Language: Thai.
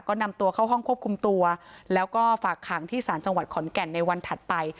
ก็นำตัวเข้าห้องควบคุมตัวแล้วก็ฝากขังที่ศาลจังหวัดขอนแก่นในวันถัดไป